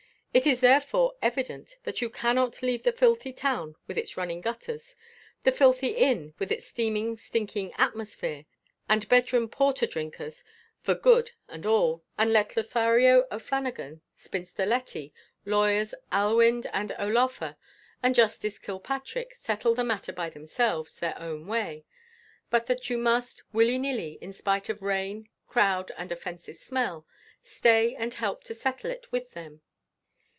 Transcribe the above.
It is, therefore, evident that you cannot leave the filthy town with its running gutters the filthy inn with its steamy stinking atmosphere, and bed room porter drinkers for good and all, and let Lothario O'Flanagan, Spinster Letty, Lawyers Allewinde and O'Laugher, with Justice Kilpatrick, settle the matter by themselves their own way; but that you must, willy nilly, in spite of rain, crowd, and offensive smell, stay and help to settle it with them.